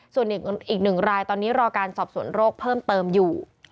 ส่วนอีก๑รายตอนนี้รอการสอบสวนโรคเพิ่มเติมอยู่